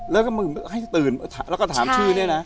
แล้วก็มึงให้ตื่นแล้วก็ถามชื่อเนี่ยนะ